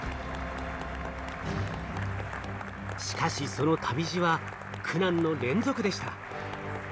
しかしその旅路は苦難の連続でした。